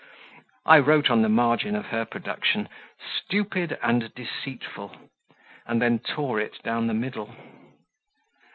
I wrote on the margin of her production "Stupid and deceitful," and then tore it down the middle.